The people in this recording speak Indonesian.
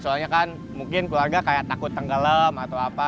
soalnya kan mungkin keluarga kayak takut tenggelam atau apa